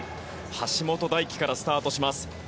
橋本大輝からスタートします。